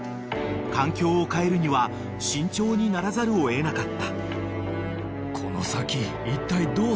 ［環境を変えるには慎重にならざるを得なかった］